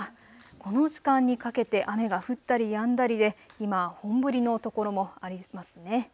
この時間にかけて雨が降ったりやんだりで今、本降りの所もありますね。